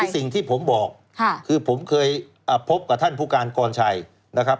สิ่งที่ผมบอกคือผมเคยพบกับท่านผู้การกรชัยนะครับ